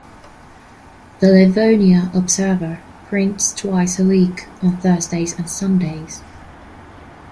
"The Livonia Observer" prints twice a week on Thursdays and Sundays.